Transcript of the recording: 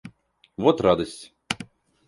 Вот радость!